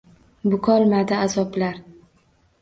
Bukolmadi azoblar.